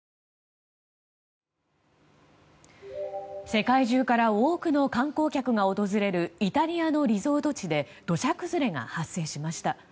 世界中から多くの観光客が訪れるイタリアのリゾート地で土砂崩れが発生しました。